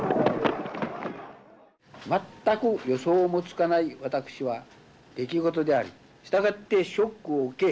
全く予想もつかない私は出来事でありしたがってショックを受け